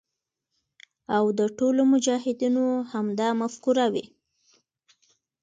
او د ټولو مجاهدینو همدا مفکوره وي.